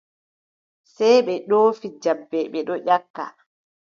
Sey ɓe ɗoofi jabbe, ɓe ɗon nyakka.